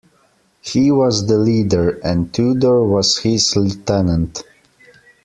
He was the leader, and Tudor was his lieutenant.